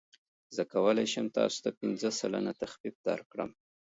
زه کولی شم تاسو ته پنځه سلنه تخفیف درکړم.